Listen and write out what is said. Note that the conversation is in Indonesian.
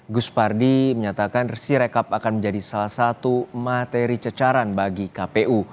guspar digaus menyatakan si rekap akan menjadi salah satu materi cecaran bagi kpu